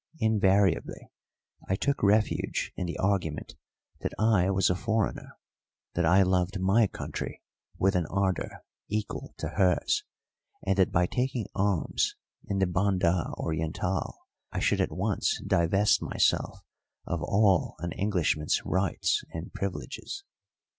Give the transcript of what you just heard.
Invariably I took refuge in the argument that I was a foreigner, that I loved my country with an ardour equal to hers, and that by taking arms in the Banda Orientál I should at once divest myself of all an Englishman's rights and privileges.